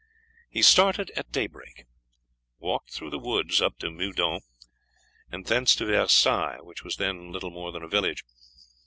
He started at daybreak, walked through the woods up to Meudon, and thence to Versailles, which was then little more than a village.